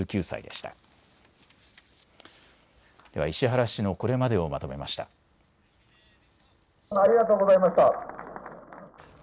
８９歳でした。